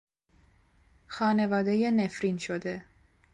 خانوادهی نفرین شده